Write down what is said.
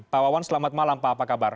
pak wawan selamat malam pak apa kabar